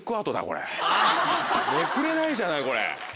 これめくれないじゃないこれ。